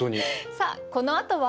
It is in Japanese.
さあこのあとは？